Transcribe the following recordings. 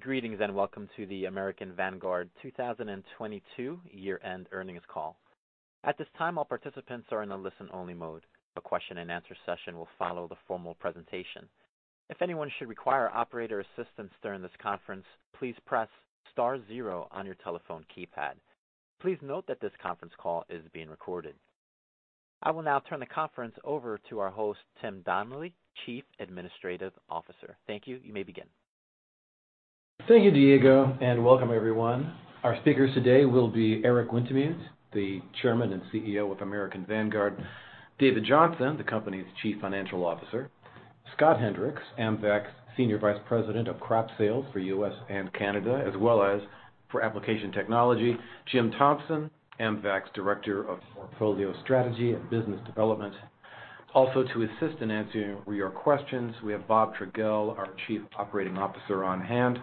Greetings, welcome to the American Vanguard 2022 year-end earnings call. At this time, all participants are in a listen-only mode. A question and answer session will follow the formal presentation. If anyone should require operator assistance during this conference, please press star zero on your telephone keypad. Please note that this conference call is being recorded. I will now turn the conference over to our host, Tim Donnelly, Chief Administrative Officer. Thank you. You may begin. Thank you, Diego. Welcome everyone. Our speakers today will be Eric Wintemute, the Chairman and CEO of American Vanguard. David Johnson, the company's Chief Financial Officer. Scott Hendrix, AMVAC's Senior Vice President of Crop Sales for US and Canada, as well as for Application Technology. Jim Thompson, AMVAC's Director of Portfolio Strategy and Business Development. To assist in answering your questions, we have Bob Trogele, our Chief Operating Officer on hand.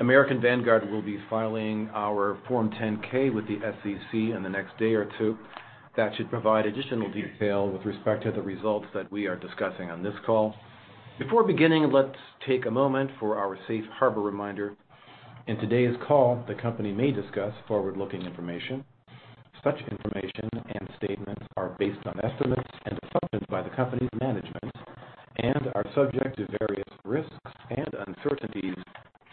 American Vanguard will be filing our Form 10-K with the SEC in the next day or two. That should provide additional detail with respect to the results that we are discussing on this call. Before beginning, let's take a moment for our safe harbor reminder. In today's call, the company may discuss forward-looking information. Such information and statements are based on estimates and assumptions by the company's management and are subject to various risks and uncertainties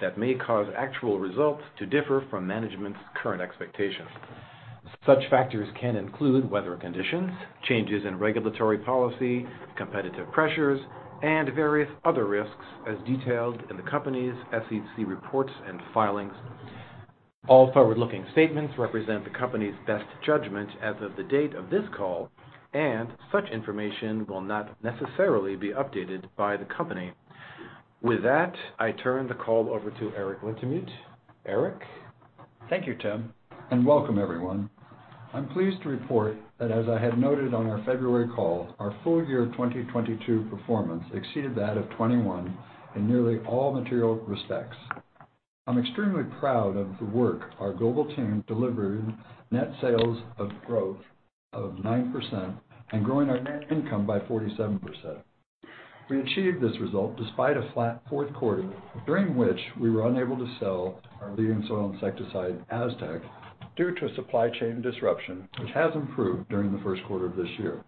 that may cause actual results to differ from management's current expectations. Such factors can include weather conditions, changes in regulatory policy, competitive pressures, and various other risks as detailed in the company's SEC reports and filings. All forward-looking statements represent the company's best judgment as of the date of this call, and such information will not necessarily be updated by the company. With that, I turn the call over to Eric Wintemute. Eric. Thank you, Tim. Welcome everyone. I'm pleased to report that as I had noted on our February call, our full year 2022 performance exceeded that of 2021 in nearly all material respects. I'm extremely proud of the work our global team delivered, net sales of growth of 9% and growing our net income by 47%. We achieved this result despite a flat fourth quarter, during which we were unable to sell our leading soil insecticide, Aztec, due to a supply chain disruption which has improved during the first quarter of this year.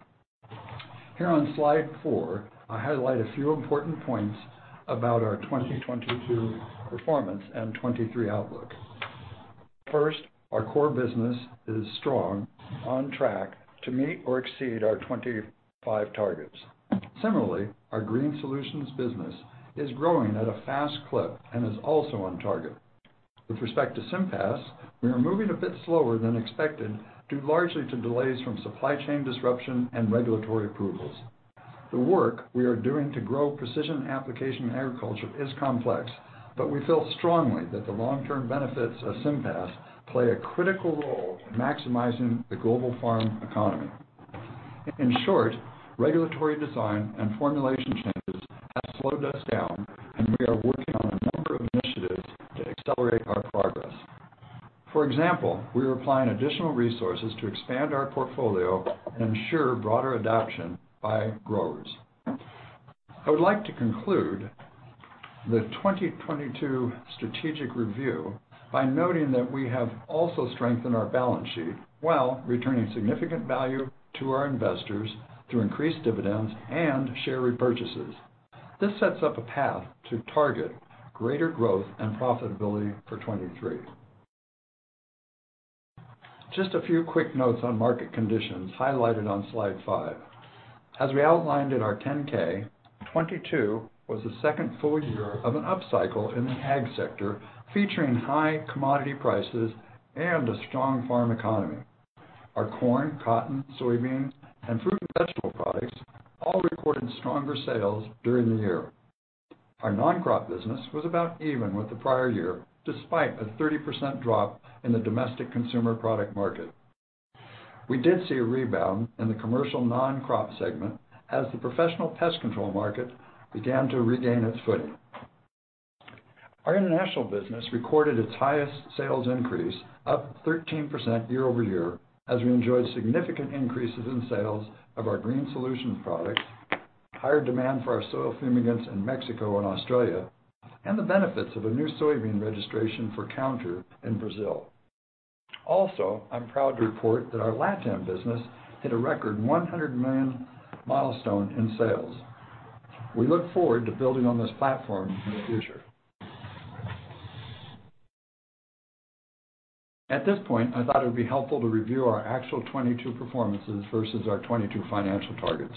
Here on slide 4, I highlight a few important points about our 2022 performance and 2023 outlook. First, our core business is strong on track to meet or exceed our 2025 targets. Similarly, our GreenSolutions business is growing at a fast clip and is also on target. With respect to SIMPAS, we are moving a bit slower than expected, due largely to delays from supply chain disruption and regulatory approvals. The work we are doing to grow precision application agriculture is complex, but we feel strongly that the long-term benefits of SIMPAS play a critical role in maximizing the global farm economy. In short, regulatory design and formulation changes have slowed us down, and we are working on a number of initiatives to accelerate our progress. For example, we are applying additional resources to expand our portfolio and ensure broader adoption by growers. I would like to conclude the 2022 strategic review by noting that we have also strengthened our balance sheet while returning significant value to our investors through increased dividends and share repurchases. This sets up a path to target greater growth and profitability for 2023. Just a few quick notes on market conditions highlighted on slide 5. As we outlined in our Form 10-K, 2022 was the second full year of an upcycle in the ag sector, featuring high commodity prices and a strong farm economy. Our corn, cotton, soybeans, and fruit and vegetable products all recorded stronger sales during the year. Our non-crop business was about even with the prior year, despite a 30% drop in the domestic consumer product market. We did see a rebound in the commercial non-crop segment as the professional pest control market began to regain its footing. Our international business recorded its highest sales increase, up 13% year-over-year, as we enjoyed significant increases in sales of our GreenSolutions products, higher demand for our soil fumigants in Mexico and Australia, and the benefits of a new soybean registration for Counter in Brazil. I'm proud to report that our LatAm business hit a record $100 million milestone in sales. We look forward to building on this platform in the future. At this point, I thought it would be helpful to review our actual 2022 performances versus our 2022 financial targets.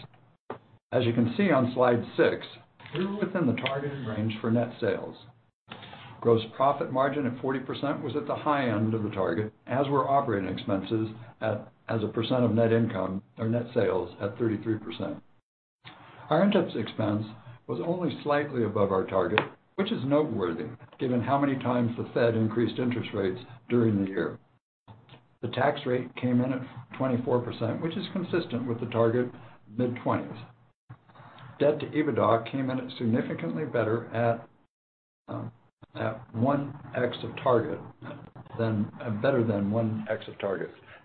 As you can see on slide 6, we were within the targeted range for net sales. Gross profit margin at 40% was at the high end of the target, as were operating expenses as a percent of net income or net sales at 33%. Our interest expense was only slightly above our target, which is noteworthy given how many times the Fed increased interest rates during the year. The tax rate came in at 24%, which is consistent with the target mid-twenties. Debt to EBITDA came in at significantly better than 1x of target.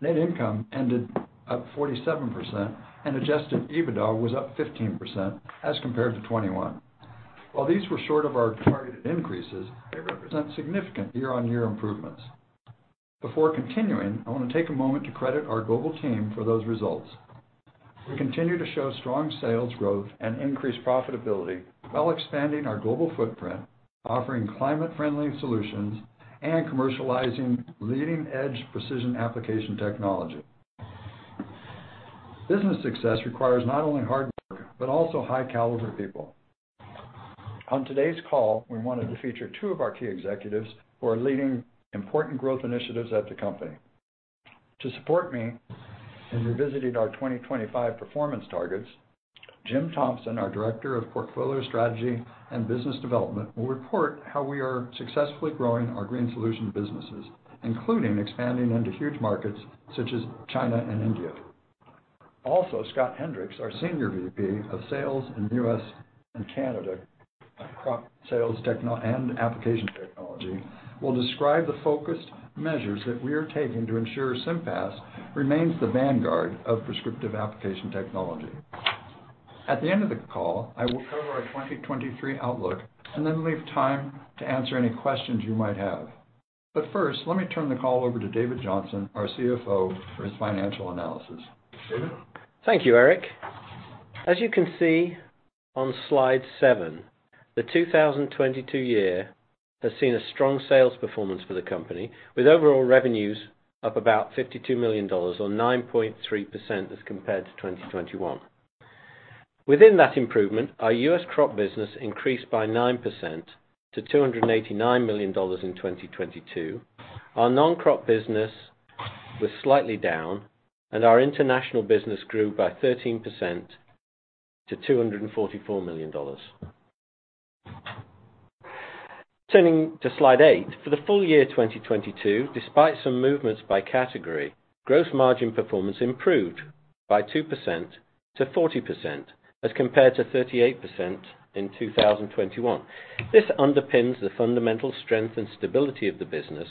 Net income ended up 47% and adjusted EBITDA was up 15% as compared to 2021. While these were short of our targeted increases, they represent significant year-on-year improvements. Before continuing, I wanna take a moment to credit our global team for those results. We continue to show strong sales growth and increased profitability while expanding our global footprint, offering climate-friendly solutions, and commercializing leading-edge precision application technology. Business success requires not only hard work but also high-caliber people. On today's call, we wanted to feature two of our key executives who are leading important growth initiatives at the company. To support me in revisiting our 2025 performance targets, Jim Thompson, our Director of Portfolio Strategy and Business Development, will report how we are successfully growing our green solution businesses, including expanding into huge markets such as China and India. Scott Hendrix, our Senior VP of Sales in U.S. and Canada Crop Sales and Application Technology, will describe the focused measures that we are taking to ensure SIMPAS remains the vanguard of prescriptive application technology. At the end of the call, I will cover our 2023 outlook and then leave time to answer any questions you might have. First, let me turn the call over to David Johnson, our CFO, for his financial analysis. David? Thank you, Eric. As you can see on slide 7, the 2022 year has seen a strong sales performance for the company, with overall revenues up about $52 million or 9.3% as compared to 2021. Within that improvement, our U.S. crop business increased by 9% to $289 million in 2022. Our non-crop business was slightly down, and our international business grew by 13% to $244 million. Turning to slide 8. For the full year 2022, despite some movements by category, gross margin performance improved by 2%-40% as compared to 38% in 2021. This underpins the fundamental strength and stability of the business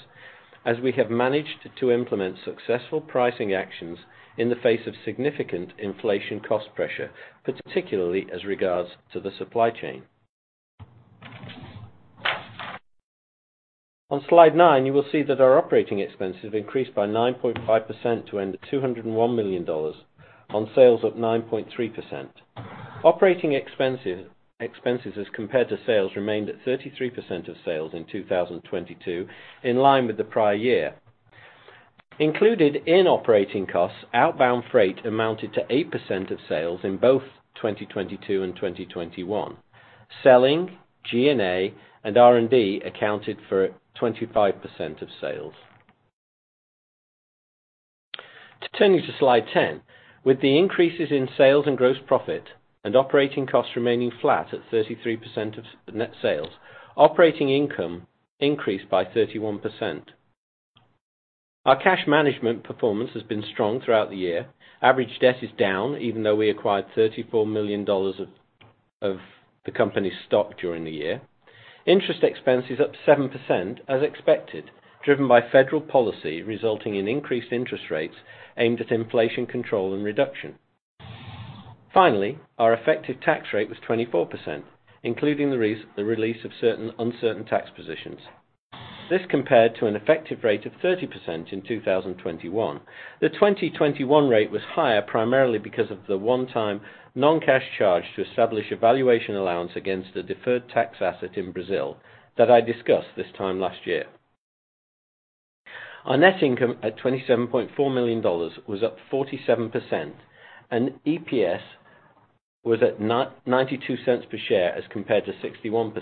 as we have managed to implement successful pricing actions in the face of significant inflation cost pressure, particularly as regards to the supply chain. On slide 9, you will see that our operating expenses increased by 9.5% to end at $201 million on sales of 9.3%. Operating expenses as compared to sales remained at 33% of sales in 2022, in line with the prior year. Included in operating costs, outbound freight amounted to 8% of sales in both 2022 and 2021. Selling, G&A, and R&D accounted for 25% of sales. Turning to slide 10, with the increases in sales and gross profit and operating costs remaining flat at 33% of net sales, operating income increased by 31%. Our cash management performance has been strong throughout the year. Average debt is down, even though we acquired $34 million of the company's stock during the year. Interest expense is up 7% as expected, driven by federal policy resulting in increased interest rates aimed at inflation control and reduction. Our effective tax rate was 24%, including the release of certain uncertain tax positions. This compared to an effective rate of 30% in 2021. The 2021 rate was higher primarily because of the one-time non-cash charge to establish a valuation allowance against a deferred tax asset in Brazil that I discussed this time last year. Our net income at $27.4 million was up 47%, and EPS was at $0.92 per share as compared to $0.61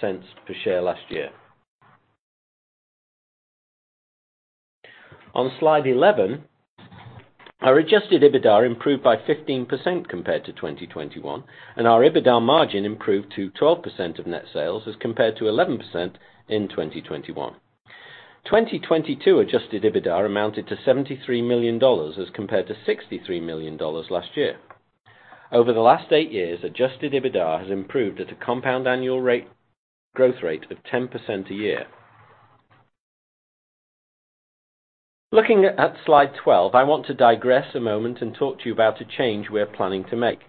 per share last year. On slide 11, our adjusted EBITDA improved by 15% compared to 2021, and our EBITDA margin improved to 12% of net sales as compared to 11% in 2021. 2022 adjusted EBITDA amounted to $73 million as compared to $63 million last year. Over the last 8 years, adjusted EBITDA has improved at a compound annual growth rate of 10% a year. Looking at slide 12, I want to digress a moment and talk to you about a change we are planning to make.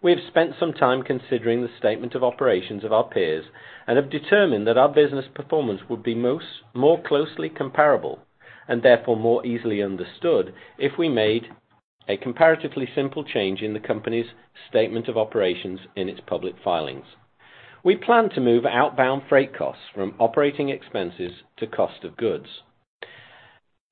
We have spent some time considering the statement of operations of our peers and have determined that our business performance would be more closely comparable, and therefore, more easily understood, if we made a comparatively simple change in the company's statement of operations in its public filings. We plan to move outbound freight costs from operating expenses to cost of goods.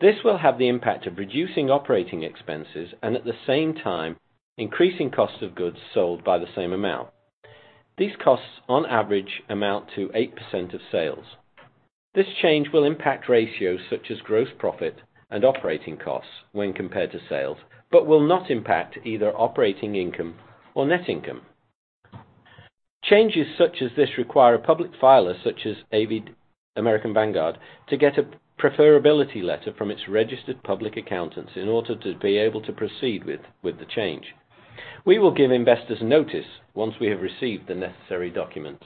This will have the impact of reducing operating expenses and at the same time increasing cost of goods sold by the same amount. These costs, on average, amount to 8% of sales. This change will impact ratios such as gross profit and operating costs when compared to sales, but will not impact either operating income or net income. Changes such as this require a public filer such as American Vanguard to get a preferability letter from its registered public accountants in order to be able to proceed with the change. We will give investors notice once we have received the necessary documents.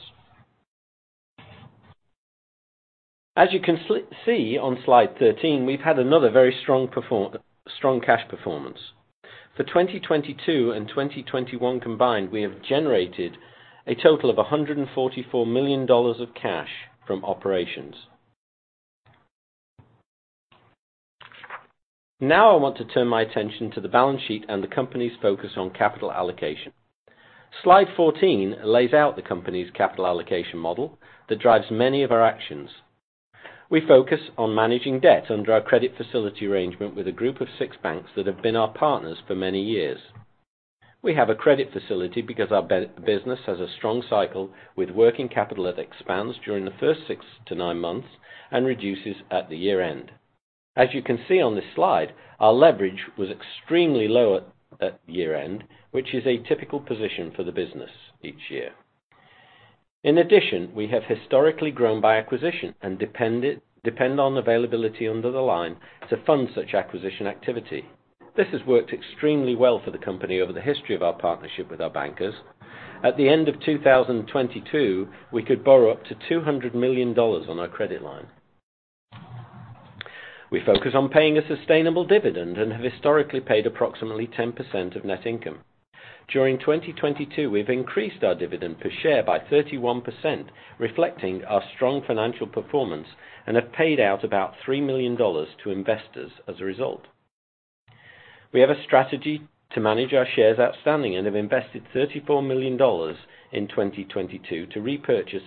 As you can see on slide 13, we've had another very strong cash performance. For 2022 and 2021 combined, we have generated a total of $144 million of cash from operations. I want to turn my attention to the balance sheet and the company's focus on capital allocation. Slide 14 lays out the company's capital allocation model that drives many of our actions. We focus on managing debt under our credit facility arrangement with a group of six banks that have been our partners for many years. We have a credit facility because our business has a strong cycle with working capital that expands during the first 6-9 months and reduces at the year-end. As you can see on this slide, our leverage was extremely low at year-end, which is a typical position for the business each year. In addition, we have historically grown by acquisition and depend on availability under the line to fund such acquisition activity. This has worked extremely well for the company over the history of our partnership with our bankers. At the end of 2022, we could borrow up to $200 million on our credit line. We focus on paying a sustainable dividend and have historically paid approximately 10% of net income. During 2022, we've increased our dividend per share by 31%, reflecting our strong financial performance, and have paid out about $3 million to investors as a result. We have a strategy to manage our shares outstanding and have invested $34 million in 2022 to repurchase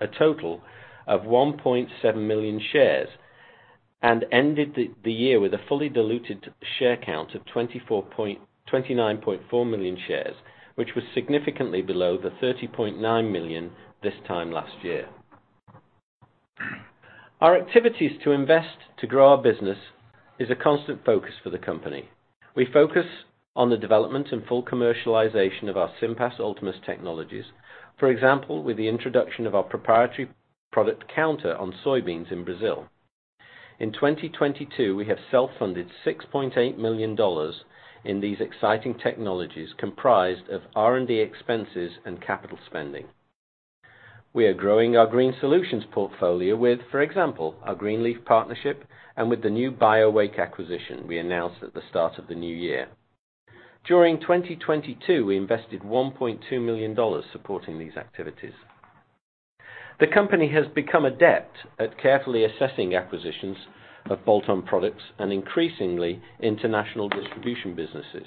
a total of 1.7 million shares and ended the year with a fully diluted share count of 24 point... 29.4 million shares, which was significantly below the 30.9 million this time last year. Our activities to invest to grow our business is a constant focus for the company. We focus on the development and full commercialization of our SIMPAS Ultimus technologies. For example, with the introduction of our proprietary product Counter on soybeans in Brazil. In 2022, we have self-funded $6.8 million in these exciting technologies comprised of R&D expenses and capital spending. We are growing our GreenSolutions portfolio with, for example, our NewLeaf Symbiotics partnership and with the new BioWake acquisition we announced at the start of the new year. During 2022, we invested $1.2 million supporting these activities. The company has become adept at carefully assessing acquisitions of bolt-on products and increasingly international distribution businesses.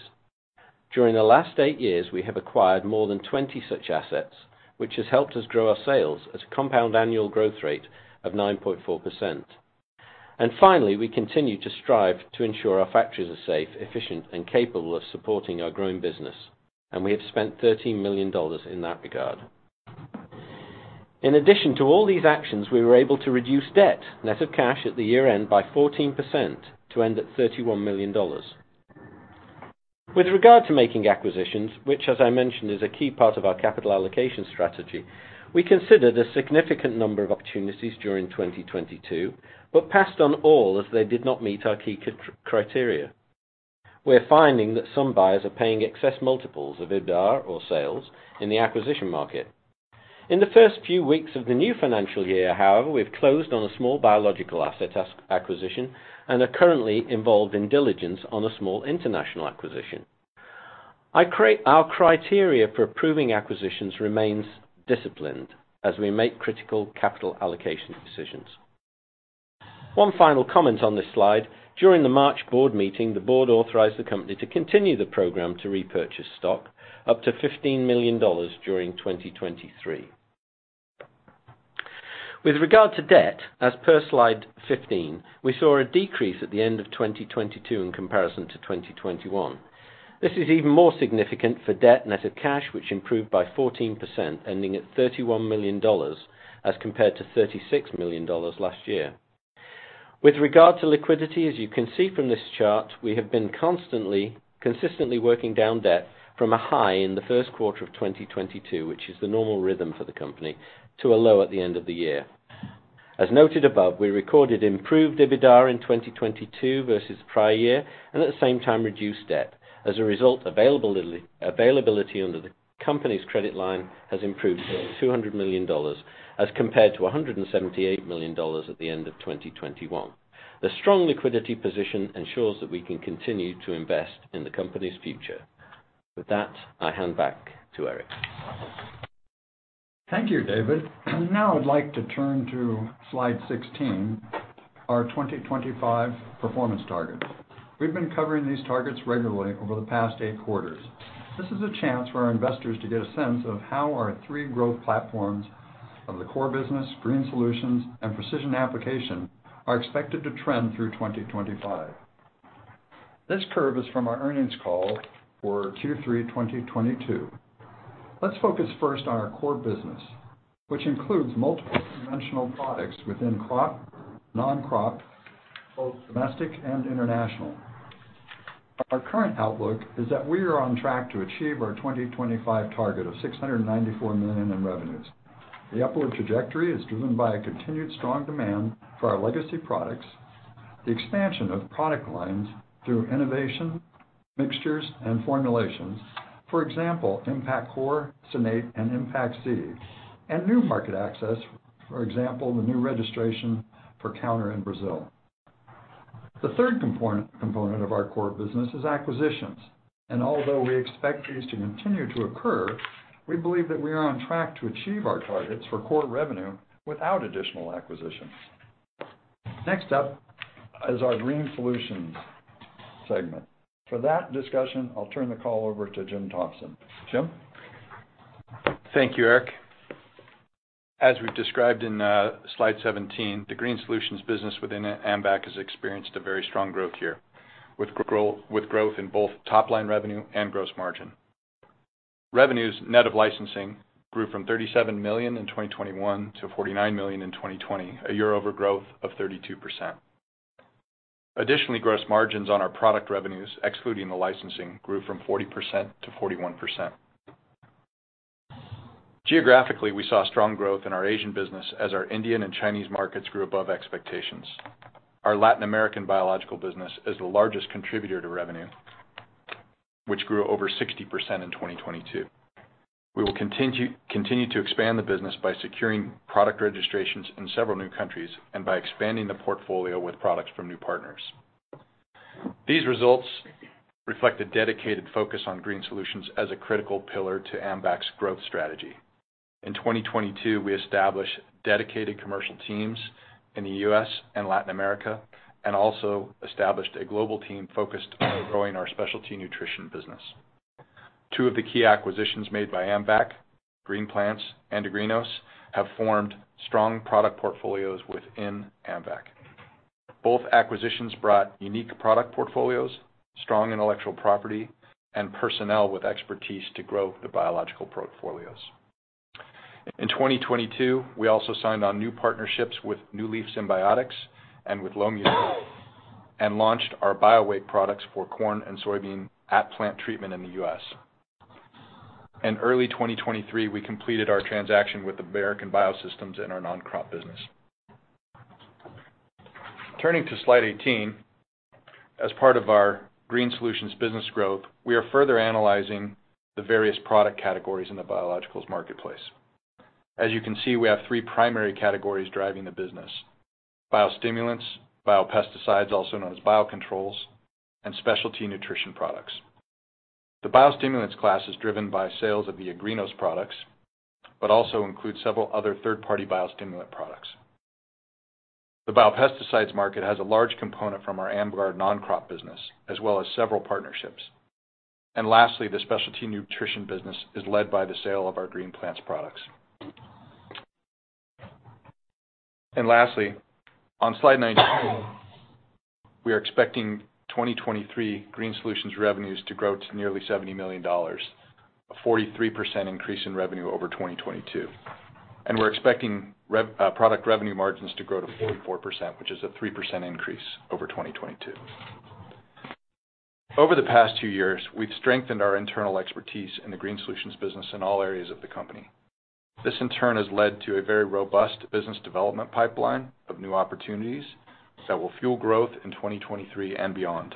During the last eight years, we have acquired more than 20 such assets, which has helped us grow our sales at a compound annual growth rate of 9.4%. Finally, we continue to strive to ensure our factories are safe, efficient, and capable of supporting our growing business, and we have spent $13 million in that regard. In addition to all these actions, we were able to reduce debt net of cash at the year-end by 14% to end at $31 million. With regard to making acquisitions, which as I mentioned, is a key part of our capital allocation strategy, we considered a significant number of opportunities during 2022, but passed on all as they did not meet our key criteria. We're finding that some buyers are paying excess multiples of EBITDA or sales in the acquisition market. In the first few weeks of the new financial year, however, we've closed on a small biological asset acquisition and are currently involved in diligence on a small international acquisition. Our criteria for approving acquisitions remains disciplined as we make critical capital allocation decisions. One final comment on this slide. During the March board meeting, the board authorized the company to continue the program to repurchase stock up to $15 million during 2023. With regard to debt, as per slide 15, we saw a decrease at the end of 2022 in comparison to 2021. This is even more significant for debt net of cash, which improved by 14%, ending at $31 million, as compared to $36 million last year. With regard to liquidity, as you can see from this chart, we have been consistently working down debt from a high in the first quarter of 2022, which is the normal rhythm for the company, to a low at the end of the year. As noted above, we recorded improved EBITDA in 2022 versus prior year and at the same time reduced debt. As a result, availability under the company's credit line has improved to $200 million, as compared to $178 million at the end of 2021. The strong liquidity position ensures that we can continue to invest in the company's future. With that, I hand back to Eric. Thank you, David. I'd like to turn to slide 16, our 2025 performance targets. We've been covering these targets regularly over the past 8 quarters. This is a chance for our investors to get a sense of how our 3 growth platforms of the core business, GreenSolutions, and precision application are expected to trend through 2025. This curve is from our earnings call for Q3 2022. Let's focus first on our core business, which includes multiple conventional products within crop, non-crop, both domestic and international. Our current outlook is that we are on track to achieve our 2025 target of $694 million in revenues. The upward trajectory is driven by a continued strong demand for our legacy products. The expansion of product lines through innovation, mixtures, and formulations. For example, Impact Core, Sinate, and IMPACT C. New market access, for example, the new registration for Counter in Brazil. The third component of our core business is acquisitions. Although we expect these to continue to occur, we believe that we are on track to achieve our targets for core revenue without additional acquisitions. Next up is our GreenSolutions segment. For that discussion, I'll turn the call over to Jim Thompson. Jim? Thank you, Eric. As we described in slide 17, the GreenSolutions business within AMVAC has experienced a very strong growth year, with growth in both top line revenue and gross margin. Revenues net of licensing grew from $37 million in 2021 to $49 million in 2020, a year-over growth of 32%. Additionally, gross margins on our product revenues, excluding the licensing, grew from 40%-41%. Geographically, we saw strong growth in our Asian business as our Indian and Chinese markets grew above expectations. Our Latin American biological business is the largest contributor to revenue, which grew over 60% in 2022. We will continue to expand the business by securing product registrations in several new countries and by expanding the portfolio with products from new partners. These results reflect a dedicated focus on GreenSolutions as a critical pillar to AMVAC's growth strategy. In 2022, we established dedicated commercial teams in the U.S. and Latin America and also established a global team focused on growing our specialty nutrition business. Two of the key acquisitions made by AMVAC, Green Plants and Agrinos, have formed strong product portfolios within AMVAC. Both acquisitions brought unique product portfolios, strong intellectual property, and personnel with expertise to grow the biological portfolios. In 2022, we also signed on new partnerships with NewLeaf Symbiotics and with Longyear, and launched our BioWake products for corn and soybean at plant treatment in the U.S. In early 2023, we completed our transaction with American Bio-Systems in our non-crop business. Turning to slide 18, as part of our GreenSolutions business growth, we are further analyzing the various product categories in the biologicals marketplace. As you can see, we have three primary categories driving the business: biostimulants, biopesticides, also known as biocontrols, and specialty nutrition products. The biostimulants class is driven by sales of the Agrinos products, but also includes several other third-party biostimulant products. The biopesticides market has a large component from our AMGUARD non-crop business, as well as several partnerships. Lastly, the specialty nutrition business is led by the sale of our Green Plants products. Lastly, on slide 19, we are expecting 2023 GreenSolutions revenues to grow to nearly $70 million, a 43% increase in revenue over 2022. We're expecting product revenue margins to grow to 44%, which is a 3% increase over 2022. Over the past two years, we've strengthened our internal expertise in the GreenSolutions business in all areas of the company. This, in turn, has led to a very robust business development pipeline of new opportunities that will fuel growth in 2023 and beyond.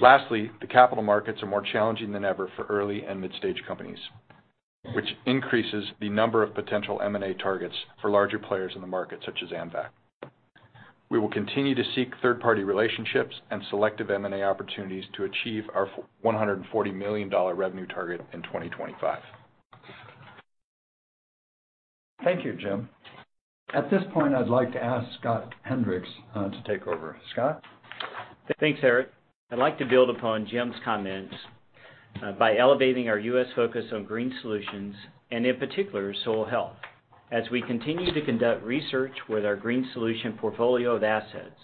Lastly, the capital markets are more challenging than ever for early and mid-stage companies, which increases the number of potential M&A targets for larger players in the market, such as AMVAC. We will continue to seek third-party relationships and selective M&A opportunities to achieve our $140 million revenue target in 2025. Thank you, Jim. At this point, I'd like to ask Scott Hendrix to take over. Scott? Thanks, Eric. I'd like to build upon Jim's comments by elevating our U.S. focus on GreenSolutions and in particular, soil health. As we continue to conduct research with our GreenSolutions portfolio of assets,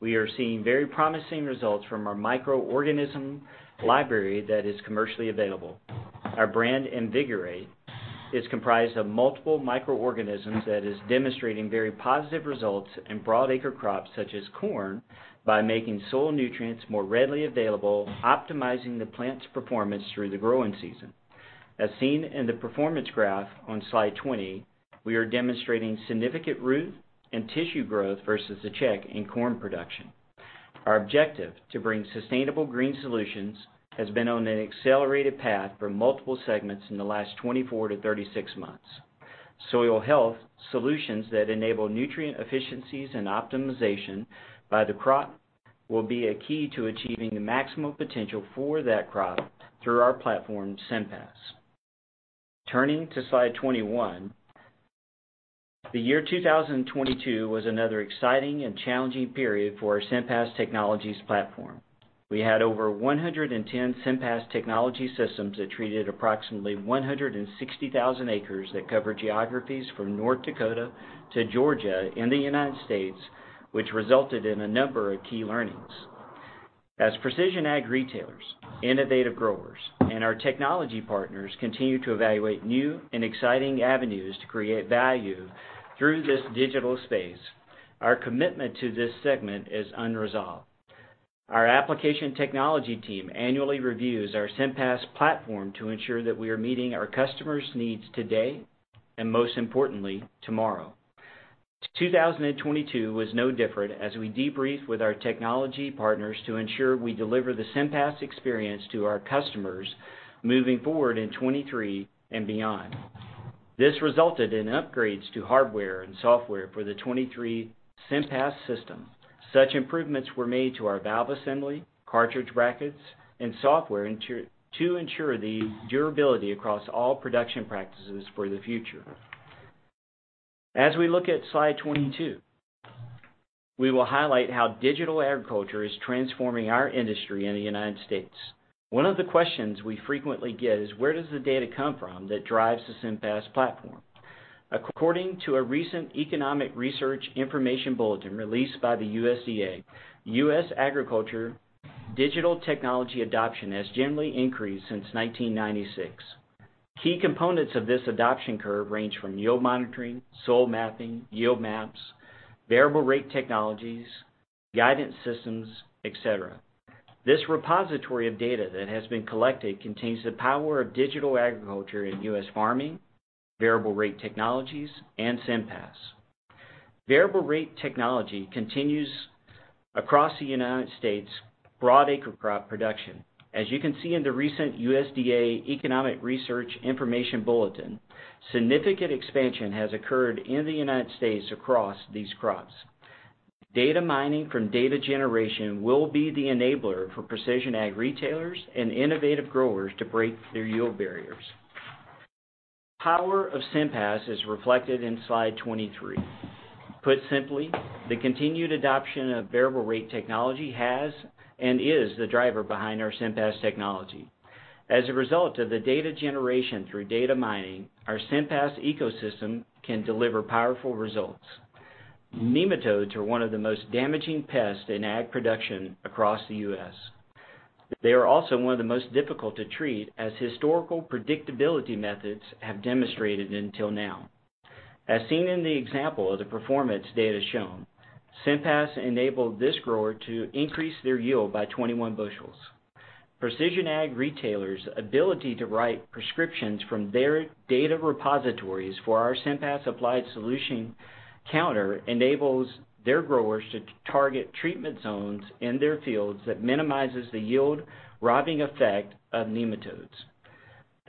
we are seeing very promising results from our microorganism library that is commercially available. Our brand, iNvigorate, is comprised of multiple microorganisms that is demonstrating very positive results in broad acre crops such as corn by making soil nutrients more readily available, optimizing the plant's performance through the growing season. As seen in the performance graph on slide 20, we are demonstrating significant root and tissue growth versus the check in corn production. Our objective to bring sustainable green solutions has been on an accelerated path for multiple segments in the last 24 to 36 months. Soil health solutions that enable nutrient efficiencies and optimization by the crop will be a key to achieving the maximum potential for that crop through our platform, SIMPAS. Turning to slide 21, the year 2022 was another exciting and challenging period for our SIMPAS technologies platform. We had over 110 SIMPAS technology systems that treated approximately 160,000 acres that cover geographies from North Dakota to Georgia in the United States, which resulted in a number of key learnings. As precision ag retailers, innovative growers, and our technology partners continue to evaluate new and exciting avenues to create value through this digital space, our commitment to this segment is unresolved. Our application technology team annually reviews our SIMPAS platform to ensure that we are meeting our customers' needs today, and most importantly, tomorrow. 2022 was no different as we debriefed with our technology partners to ensure we deliver the SIMPAS experience to our customers moving forward in 2023 and beyond. This resulted in upgrades to hardware and software for the 2023 SIMPAS system. Such improvements were made to our valve assembly, cartridge brackets, and software to ensure the durability across all production practices for the future. We look at slide 22, we will highlight how digital agriculture is transforming our industry in the United States. One of the questions we frequently get is: Where does the data come from that drives the SIMPAS platform? According to a recent economic research information bulletin released by the USDA, U.S. agriculture digital technology adoption has generally increased since 1996. Key components of this adoption curve range from yield monitoring, soil mapping, yield maps, variable rate technologies, guidance systems, et cetera. This repository of data that has been collected contains the power of digital agriculture in U.S. farming, variable rate technologies, and SIMPAS. Variable rate technology continues across the United States' broad acre crop production. As you can see in the recent USDA Economic Research Service information bulletin, significant expansion has occurred in the United States across these crops. Data mining from data generation will be the enabler for precision ag retailers and innovative growers to break their yield barriers. Power of SIMPAS is reflected in slide 23. Put simply, the continued adoption of variable rate technology has and is the driver behind our SIMPAS technologies. As a result of the data generation through data mining, our SIMPAS ecosystem can deliver powerful results. Nematodes are one of the most damaging pests in ag production across the U.S. They are also one of the most difficult to treat, as historical predictability methods have demonstrated until now. As seen in the example of the performance data shown, SIMPAS enabled this grower to increase their yield by 21 bushels. Precision ag retailers' ability to write prescriptions from their data repositories for our SIMPAS applied Solution Counter enables their growers to target treatment zones in their fields that minimizes the yield robbing effect of nematodes.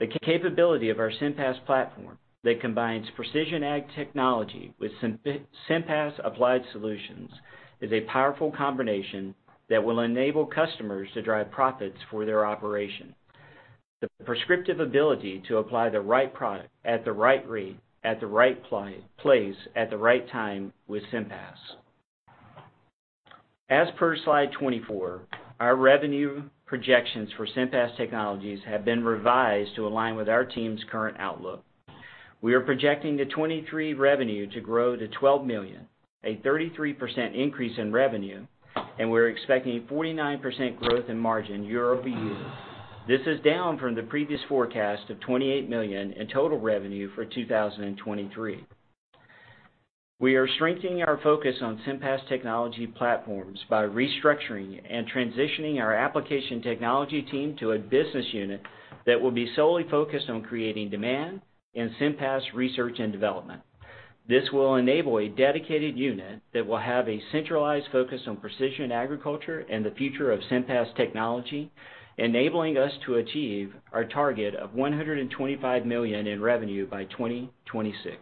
The capability of our SIMPAS platform that combines precision ag technology with SIMPAS-applied Solutions is a powerful combination that will enable customers to drive profits for their operation. The prescriptive ability to apply the right product at the right rate, at the right place, at the right time with SIMPAS. As per slide 24, our revenue projections for SIMPAS technologies have been revised to align with our team's current outlook. We are projecting the 2023 revenue to grow to $12 million, a 33% increase in revenue, and we're expecting 49% growth in margin year-over-year. This is down from the previous forecast of $28 million in total revenue for 2023. We are strengthening our focus on SIMPAS technology platforms by restructuring and transitioning our application technology team to a business unit that will be solely focused on creating demand in SIMPAS R&D. This will enable a dedicated unit that will have a centralized focus on precision agriculture and the future of SIMPAS technology, enabling us to achieve our target of $125 million in revenue by 2026.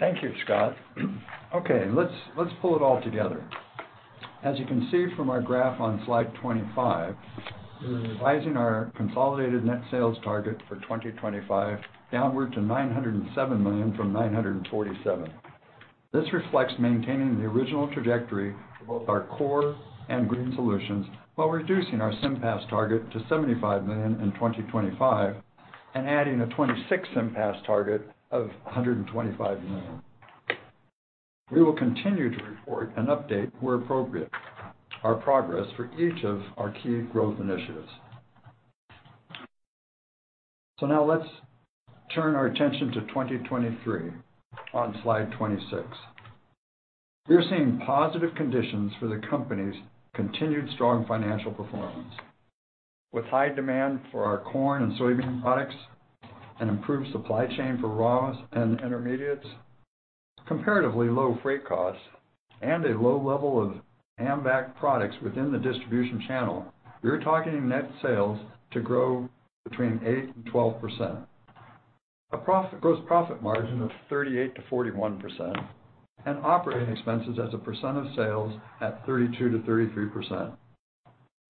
Thank you, Scott. Okay, let's pull it all together. As you can see from our graph on slide 25, we're revising our consolidated net sales target for 2025 downward to $907 million from $947 million. This reflects maintaining the original trajectory for both our core and GreenSolutions while reducing our SIMPAS target to $75 million in 2025 and adding a 2026 SIMPAS target of $125 million. We will continue to report and update, where appropriate, our progress for each of our key growth initiatives. Now let's turn our attention to 2023 on slide 26. We're seeing positive conditions for the company's continued strong financial performance. With high demand for our corn and soybean products and improved supply chain for raws and intermediates, comparatively low freight costs, and a low level of AMVAC products within the distribution channel, we're targeting net sales to grow between 8%-12%. A gross profit margin of 38%-41% and operating expenses as a percent of sales at 32%-33%.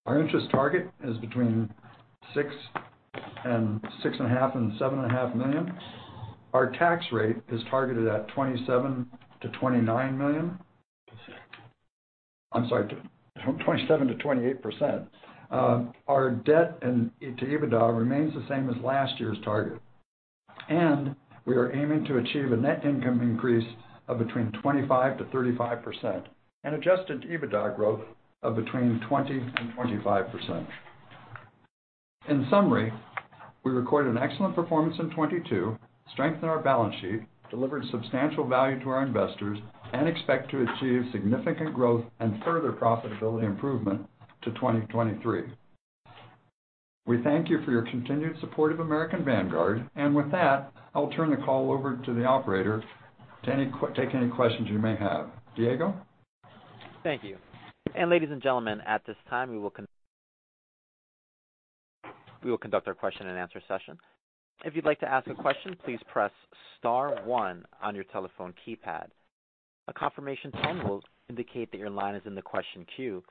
Our interest target is between $6 million and $6.5 million and $7.5 million. Our tax rate is targeted at $27 million to $29 million. Percent. I'm sorry, 27%-28%. Our debt to EBITDA remains the same as last year's target, and we are aiming to achieve a net income increase of between 25%-35% and adjusted EBITDA growth of between 20%-25%. In summary, we recorded an excellent performance in 2022, strengthened our balance sheet, delivered substantial value to our investors, and expect to achieve significant growth and further profitability improvement to 2023. We thank you for your continued support of American Vanguard. With that, I'll turn the call over to the operator to take any questions you may have. Diego? Thank you. Ladies and gentlemen, at this time, we will conduct our question-and-answer session. If you'd like to ask a question, please press star 1 on your telephone keypad. A confirmation tone will indicate that your line is in the question queue.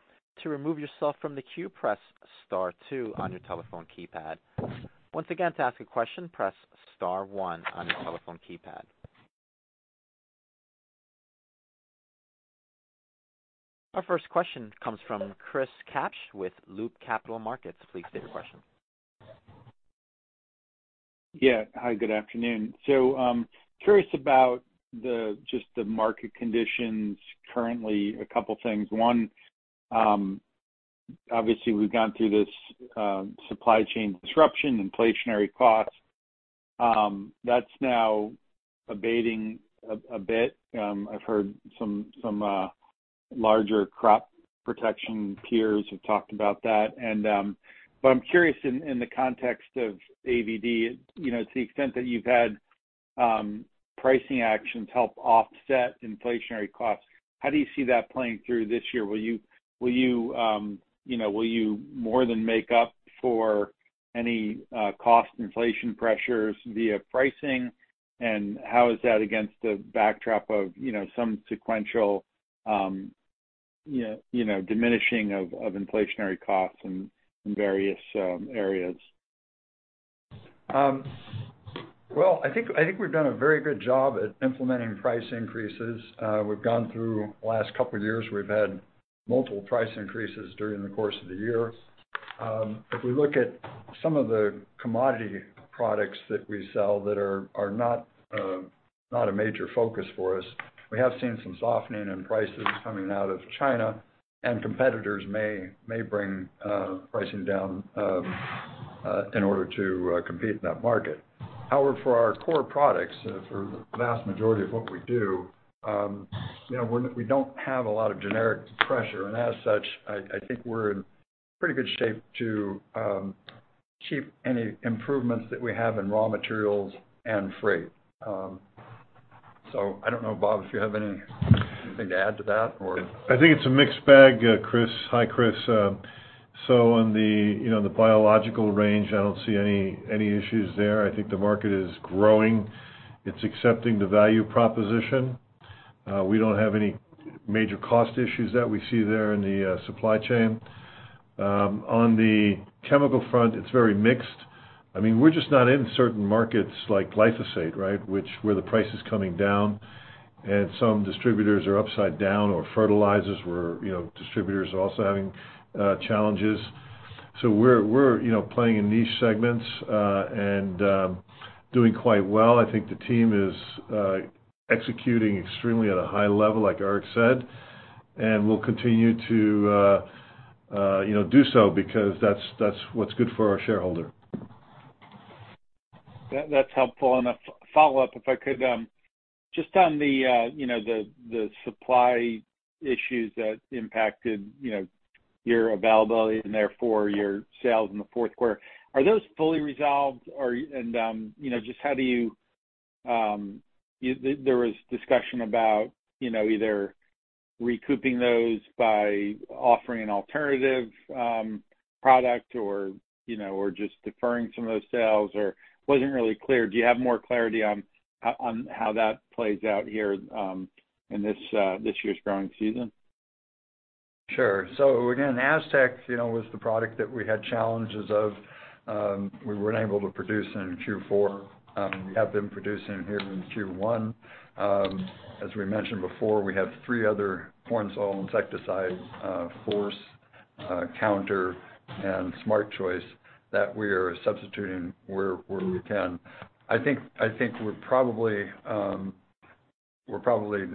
To remove yourself from the queue, press star 2 on your telephone keypad. Once again, to ask a question, press star 1 on your telephone keypad. Our first question comes from Chris Kapsch with Loop Capital Markets. Please state your question. Hi, good afternoon. Curious about just the market conditions currently, a couple things. One, obviously, we've gone through this supply chain disruption, inflationary costs, that's now abating a bit. I've heard some larger crop protection peers have talked about that. But I'm curious in the context of ABD, you know, to the extent that you've had pricing actions help offset inflationary costs, how do you see that playing through this year? Will you know, will you more than make up for any cost inflation pressures via pricing? And how is that against the backdrop of, you know, some sequential, you know, diminishing of inflationary costs in various areas? Well, I think we've done a very good job at implementing price increases. We've gone through, the last couple of years, we've had multiple price increases during the course of the year. If we look at some of the commodity products that we sell that are not a major focus for us, we have seen some softening in prices coming out of China, competitors may bring pricing down in order to compete in that market. However, for our core products, for the vast majority of what we do, you know, we don't have a lot of generic pressure. As such, I think we're in pretty good shape to keep any improvements that we have in raw materials and freight. I don't know, Bob Tregel, if you have anything to add to that? I think it's a mixed bag, Chris. Hi, Chris. On the, you know, the biological range, I don't see any issues there. I think the market is growing. It's accepting the value proposition. We don't have any major cost issues that we see there in the supply chain. On the chemical front, it's very mixed. I mean, we're just not in certain markets like glyphosate, right? Which where the price is coming down and some distributors are upside down or fertilizers where, you know, distributors are also having challenges. We're, you know, playing in niche segments and doing quite well. I think the team is executing extremely at a high level, like Eric said. We'll continue to, you know, do so because that's what's good for our shareholder. That's helpful. A follow-up, if I could, just on the, you know, the supply issues that impacted, you know, your availability and therefore your sales in the fourth quarter, are those fully resolved? Or. You know, just how do you, there was discussion about, you know, either recouping those by offering an alternative product or, you know, or just deferring some of those sales or it wasn't really clear. Do you have more clarity on how that plays out here in this year's growing season? Sure. Again, Aztec, you know, was the product that we had challenges of, we weren't able to produce in Q4. We have been producing it here in Q1. As we mentioned before, we have three other corn soil insecticides, Force, Counter, and SmartChoice that we are substituting where we can. I think we're probably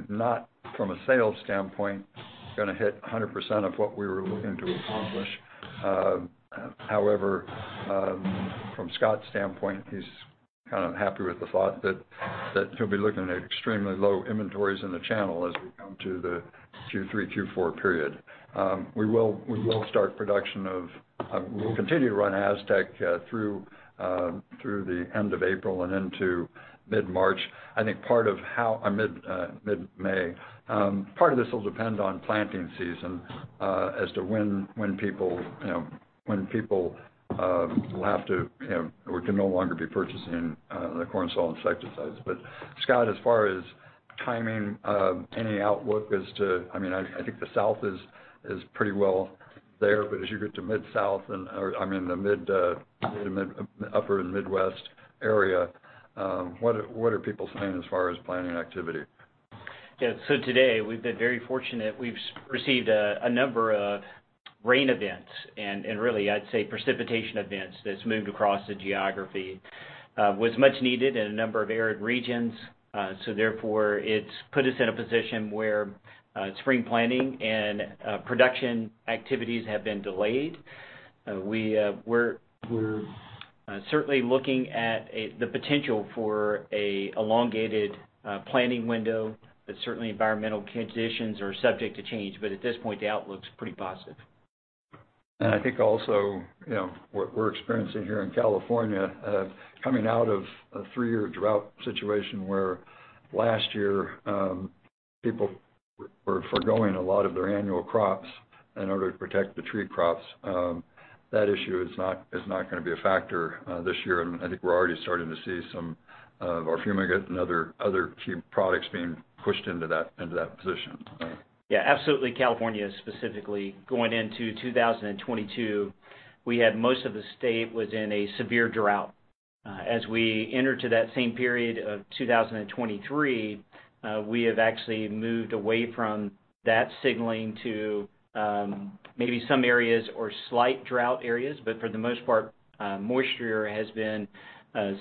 not from a sales standpoint, going to hit 100% of what we were looking to accomplish. However, from Scott's standpoint, he's kind of happy with the thought that he'll be looking at extremely low inventories in the channel as we come to the Q3, Q4 period. We will start production of, we'll continue to run Aztec through the end of April and into mid-March. I think part of how... Mid, mid-May. Part of this will depend on planting season, as to when people, you know, when people, will have to, you know, or can no longer be purchasing the corn soil insecticides. Scott, as far as timing, any outlook as to, I mean, I think the South is pretty well there. As you get to Mid-South and, or I mean, the mid, upper and Midwest area, what are people saying as far as planning activity? Today, we've been very fortunate. We've received a number of rain events and really, I'd say precipitation events that's moved across the geography. Was much needed in a number of arid regions. Therefore, it's put us in a position where spring planning and production activities have been delayed. We're certainly looking at the potential for an elongated planning window, but certainly environmental conditions are subject to change. At this point, the outlook's pretty positive. I think also, you know, what we're experiencing here in California, coming out of a three-year drought situation where last year, people were foregoing a lot of their annual crops in order to protect the tree crops, that issue is not gonna be a factor, this year. I think we're already starting to see some of our fumigant and other key products being pushed into that, into that position, so. Yeah, absolutely California specifically. Going into 2022, we had most of the state was in a severe drought. As we enter to that same period of 2023, we have actually moved away from that signaling to, maybe some areas or slight drought areas. For the most part, moisture has been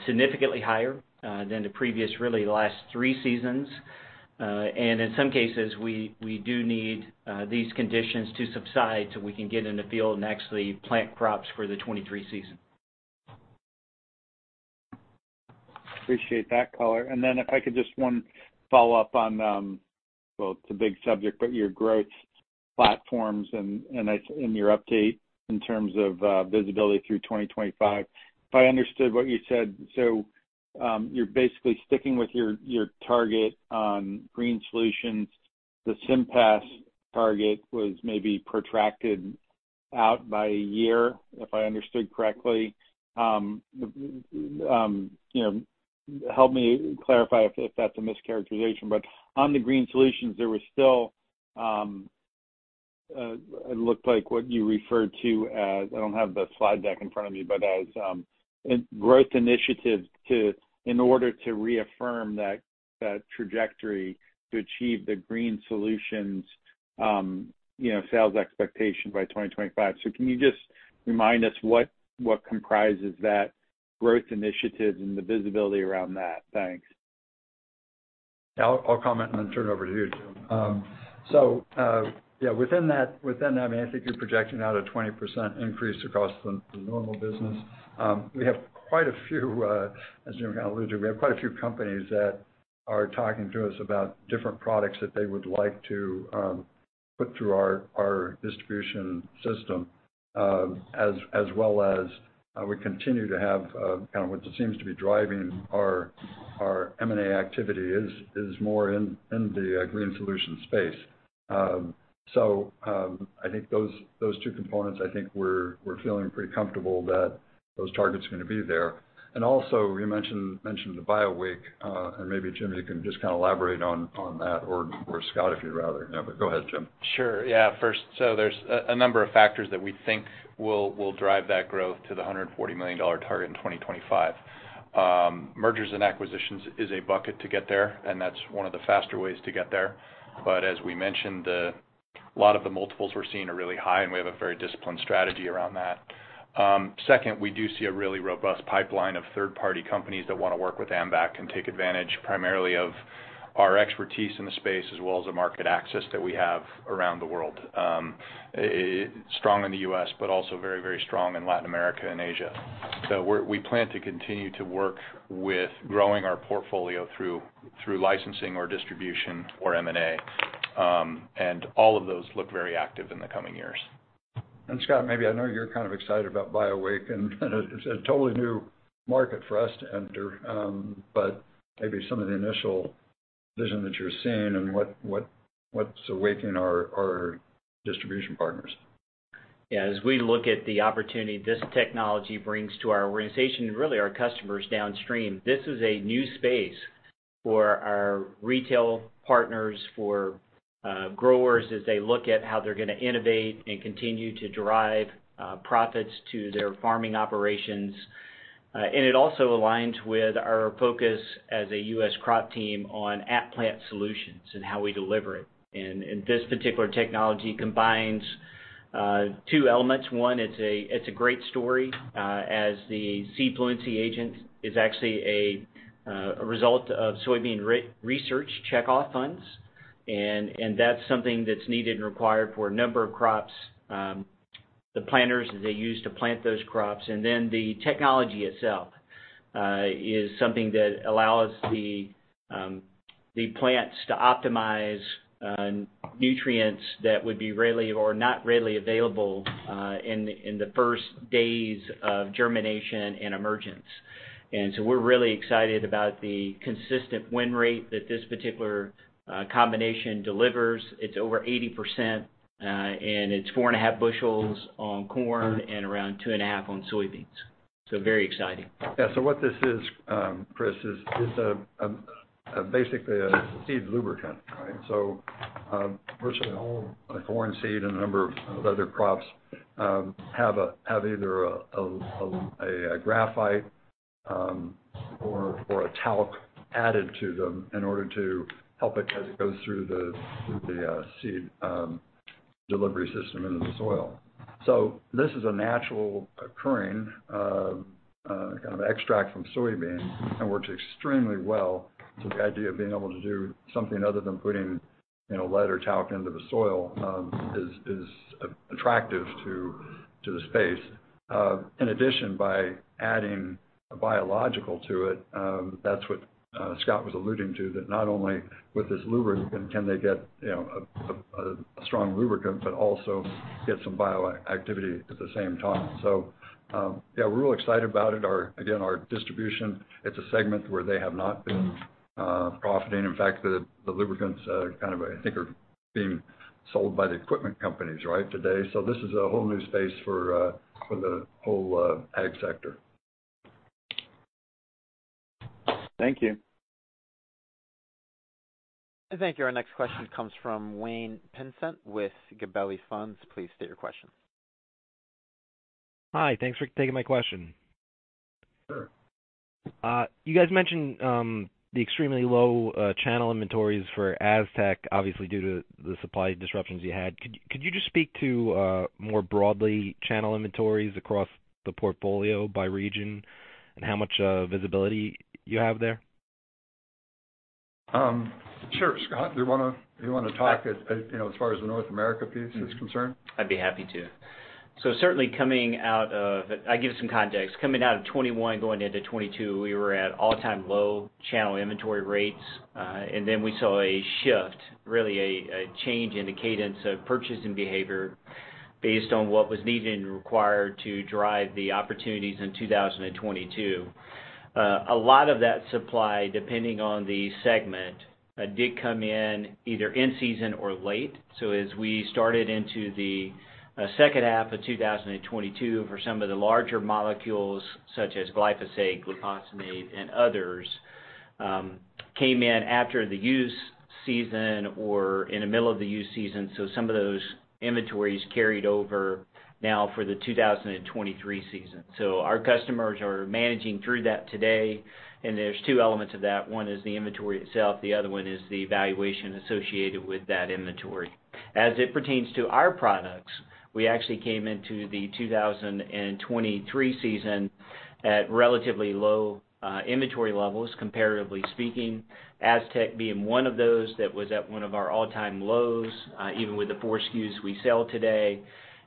significantly higher than the previous, really the last three seasons. In some cases, we do need these conditions to subside so we can get in the field and actually plant crops for the 2023 season. Appreciate that color. Then if I could just one follow-up on, well, it's a big subject, but your growth platforms and your update in terms of visibility through 2025. If I understood what you said, you're basically sticking with your target on GreenSolutions. The SIMPAS target was maybe protracted out by a year, if I understood correctly. You know, help me clarify if that's a mischaracterization. On the GreenSolutions, there was still, it looked like what you referred to as, I don't have the slide deck in front of me, but as growth initiatives in order to reaffirm that trajectory to achieve the GreenSolutions, you know, sales expectation by 2025. Can you just remind us what comprises that growth initiatives and the visibility around that? Thanks. I'll comment and then turn it over to you, Jim. Yeah, within that, I mean, I think you're projecting out a 20% increase across the normal business. We have quite a few, as Jim kind of alluded to, we have quite a few companies that are talking to us about different products that they would like to put through our distribution system, as well as we continue to have kind of what seems to be driving our M&A activity is more in the GreenSolutions space. I think those two components, I think we're feeling pretty comfortable that those targets are gonna be there. Also, you mentioned the BioWake, and maybe Jim, you can just kind of elaborate on that or Scott, if you'd rather. No, go ahead, Jim. First, there's a number of factors that we think will drive that growth to the $140 million target in 2025. Mergers and acquisitions is a bucket to get there, and that's one of the faster ways to get there. As we mentioned, a lot of the multiples we're seeing are really high, and we have a very disciplined strategy around that. Second, we do see a really robust pipeline of third-party companies that wanna work with AMVAC and take advantage primarily of our expertise in the space as well as the market access that we have around the world. Strong in the U.S., but also very strong in Latin America and Asia. We plan to continue to work with growing our portfolio through licensing or distribution or M&A, all of those look very active in the coming years. Scott, maybe I know you're kind of excited about BioWake, and it's a totally new market for us to enter. Maybe some of the initial vision that you're seeing and what's awaking our distribution partners. Yeah. As we look at the opportunity this technology brings to our organization, really our customers downstream, this is a new space for our retail partners, for growers as they look at how they're gonna innovate and continue to drive profits to their farming operations. It also aligns with our focus as a U.S. crop team on at-plant solutions and how we deliver it. This particular technology combines two elements. One, it's a great story, as the seed fluency agent is actually a result of soybean research checkoff funds. That's something that's needed and required for a number of crops, the planters that they use to plant those crops. The technology itself is something that allows the plants to optimize nutrients that would be readily or not readily available in the first days of germination and emergence. We're really excited about the consistent win rate that this particular combination delivers. It's over 80%, and it's 4.5 bushels on corn and around 2.5 on soybeans. Very exciting. Yeah. What this is, Chris, is basically a seed lubricant, right? Virtually all corn seed and a number of other crops have either a graphite or a talc added to them in order to help it as it goes through the seed delivery system into the soil. This is a natural occurring kind of extract from soybean and works extremely well. The idea of being able to do something other than putting, you know, lead or talc into the soil is attractive to the space. In addition, by adding a biological to it, that's what Scott was alluding to, that not only with this lubricant can they get, you know, a strong lubricant, but also get some bioactivity at the same time. Yeah, we're real excited about it. Again, our distribution, it's a segment where they have not been profiting. In fact, the lubricants kind of, I think, are being sold by the equipment companies, right, today. This is a whole new space for the whole ag sector. Thank you. Thank you. Our next question comes from Wayne Pinsent with Gabelli Funds. Please state your question. Hi. Thanks for taking my question. Sure. You guys mentioned the extremely low channel inventories for Aztec, obviously due to the supply disruptions you had. Could you just speak to more broadly channel inventories across the portfolio by region and how much visibility you have there? Sure. Scott, do you wanna talk, as, you know, as far as the North America piece is concerned? I'd be happy to. I'll give some context. Coming out of 2021, going into 2022, we were at all-time low channel inventory rates. We saw a shift, really a change in the cadence of purchasing behavior based on what was needed and required to drive the opportunities in 2022. A lot of that supply, depending on the segment, did come in either in season or late. As we started into the second half of 2022, for some of the larger molecules such as glyphosate, glufosinate, and others, came in after the use season or in the middle of the use season. Some of those inventories carried over now for the 2023 season. Our customers are managing through that today, and there's two elements of that. One is the inventory itself, the other one is the valuation associated with that inventory. As it pertains to our products, we actually came into the 2023 season at relatively low inventory levels, comparatively speaking, Aztec being one of those that was at one of our all-time lows, even with the 4 SKUs we sell today.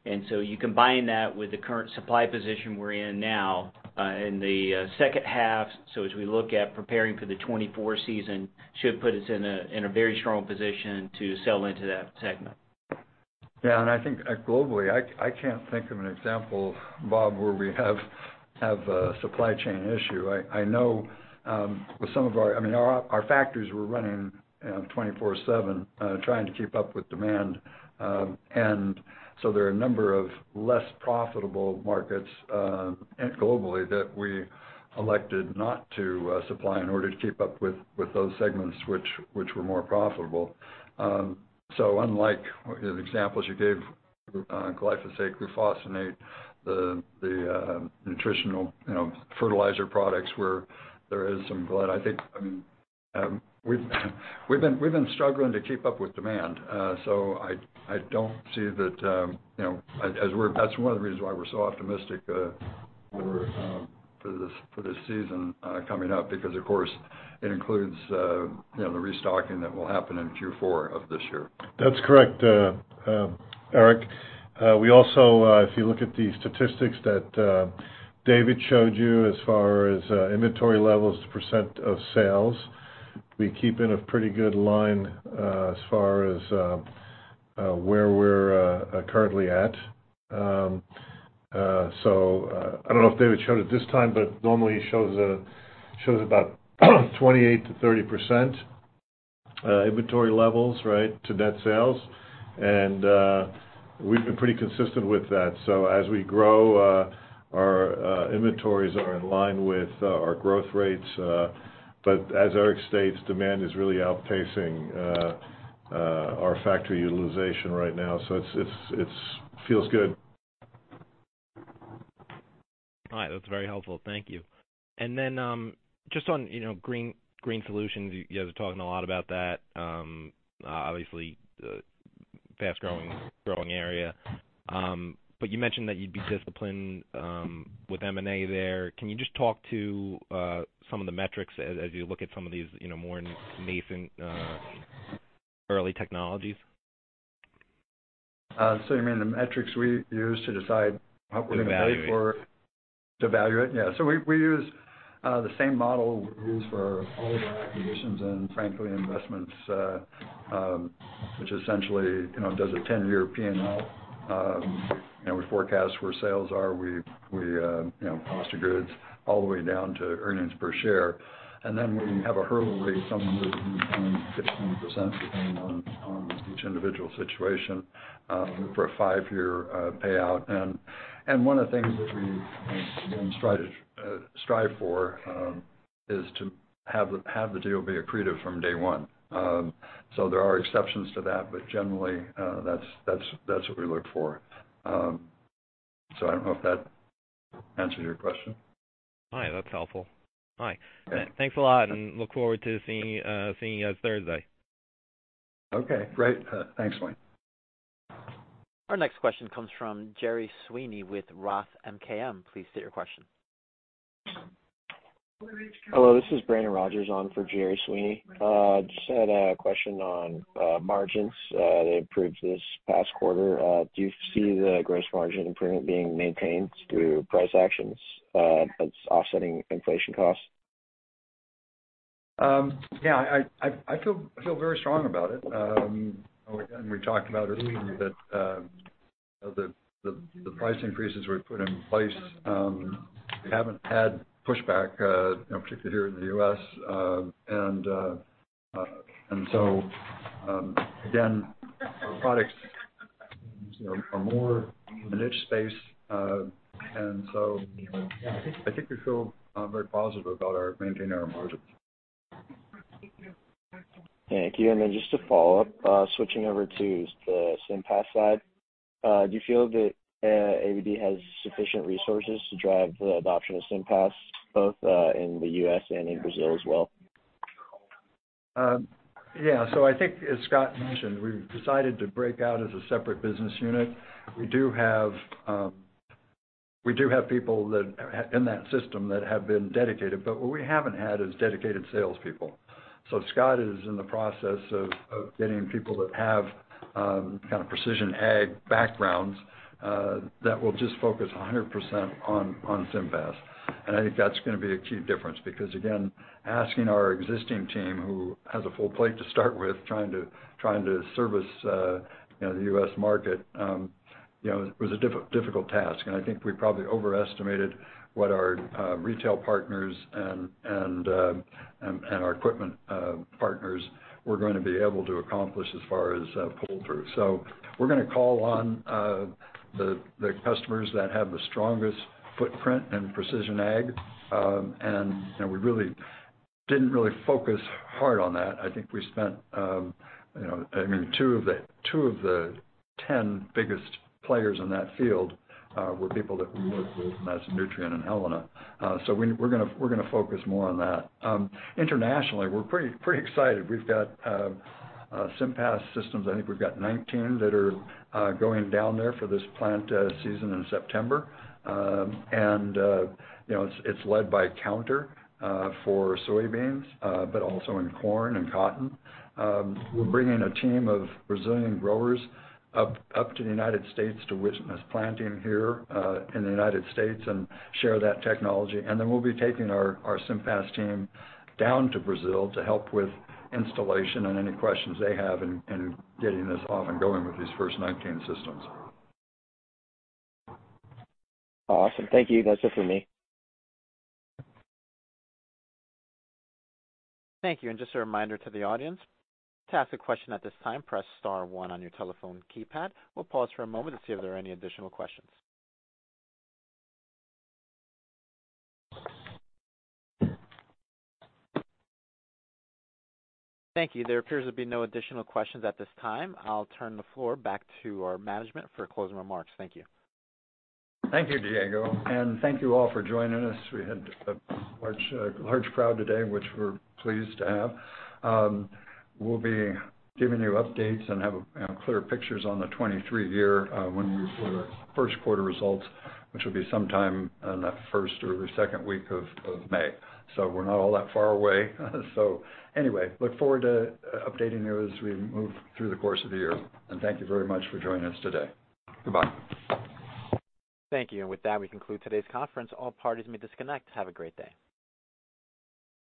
You combine that with the current supply position we're in now, in the second half, so as we look at preparing for the 2024 season, should put us in a very strong position to sell into that segment. Yeah. I think, globally, I can't think of an example, Bob, where we have a supply chain issue. I know, with some of our... I mean, our factories were running, 24/7, trying to keep up with demand. There are a number of less profitable markets, globally that we elected not to supply in order to keep up with those segments which were more profitable. Unlike the examples you gave, glyphosate, Glufosinate, the nutritional, you know, fertilizer products where there is some glut. I think, I mean, we've been struggling to keep up with demand. I don't see that, you know. That's one of the reasons why we're so optimistic for this season coming up, because of course it includes, you know, the restocking that will happen in Q4 of this year. That's correct, Eric. We also, if you look at the statistics that David showed you as far as inventory levels to percent of sales, we keep in a pretty good line as far as where we're currently at. I don't know if David showed it this time, but normally it shows about 28%-30% inventory levels, right, to net sales. We've been pretty consistent with that. As we grow, our inventories are in line with our growth rates. As Eric states, demand is really outpacing our factory utilization right now. It's feels good. All right. That's very helpful. Thank you. Then, just on, you know, GreenSolutions. You guys are talking a lot about that. Obviously, a fast-growing area. You mentioned that you'd be disciplined with M&A there. Can you just talk to some of the metrics as you look at some of these, you know, more nascent, early technologies? you mean the metrics we use to decide what we're gonna pay for- To evaluate. To evaluate. Yeah. We use the same model we use for all of our acquisitions and frankly, investments, which essentially, you know, does a 10-year P&L. You know, we forecast where sales are, we, you know, cost of goods all the way down to earnings per share. Then we have a hurdle rate, somewhere between 10-15%, depending on each individual situation, for a five-year payout. One of the things that we, you know, again, strive to strive for, is to have the deal be accretive from day one. There are exceptions to that, but generally, that's what we look for. I don't know if that answers your question. All right. That's helpful. All right. Okay. Thanks a lot, and look forward to seeing you guys Thursday. Okay, great. Thanks, Wayne. Our next question comes from Gerard Sweeney with ROTH MKM. Please state your question. Hello, this is Brandon Rogers on for Gerard Sweeney. Just had a question on margins, they improved this past quarter. Do you see the gross margin improvement being maintained through price actions as offsetting inflation costs? Yeah, I feel very strong about it. We talked about earlier that, you know, the price increases we've put in place, we haven't had pushback, in particular here in the U.S. Again, our products, you know, are more in the niche space. You know, I think we feel very positive about our maintaining our margins. Thank you. Just to follow up, switching over to the SIMPAS side, do you feel that ABD has sufficient resources to drive the adoption of SIMPAS both in the U.S. and in Brazil as well? Yeah. I think as Scott mentioned, we've decided to break out as a separate business unit. We do have people in that system that have been dedicated, but what we haven't had is dedicated sales people. Scott is in the process of getting people that have kind of precision ag backgrounds that will just focus 100% on SIMPAS. I think that's gonna be a key difference because again, asking our existing team, who has a full plate to start with, trying to service, you know, the U.S. market, you know, was a difficult task. I think we probably overestimated what our retail partners and our equipment partners were gonna be able to accomplish as far as pull through. We're gonna call on the customers that have the strongest footprint in precision ag. You know, we really didn't really focus hard on that. I think we spent, you know, I mean, two of the 10 biggest players in that field, were people that we work with, Mesa Nutrien and Helena. We're gonna focus more on that. Internationally, we're pretty excited. We've got SIMPAS systems, I think we've got 19 that are going down there for this plant season in September. You know, it's led by Counter for soybeans, but also in corn and cotton. We're bringing a team of Brazilian growers up to the United States to witness planting here in the United States and share that technology. We'll be taking our SIMPAS team down to Brazil to help with installation and any questions they have in getting this off and going with these first 19 systems. Awesome. Thank you. That's it for me. Thank you. Just a reminder to the audience, to ask a question at this time, press star one on your telephone keypad. We'll pause for a moment to see if there are any additional questions. Thank you. There appears to be no additional questions at this time. I'll turn the floor back to our management for closing remarks. Thank you. Thank you, Diego, thank you all for joining us. We had a large crowd today, which we're pleased to have. We'll be giving you updates and have a, you know, clearer pictures on the 2023 year, when we release our first quarter results, which will be sometime in the first or second week of May. We're not all that far away. Anyway, look forward to updating you as we move through the course of the year. Thank you very much for joining us today. Goodbye. Thank you. With that, we conclude today's conference. All parties may disconnect. Have a great day.